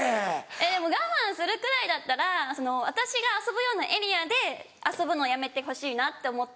でも我慢するくらいだったら私が遊ぶようなエリアで遊ぶのやめてほしいなって思って。